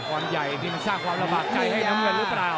ความใหญ่นี่มันสร้างความระบากใจให้น้ำเงินหรือเปล่า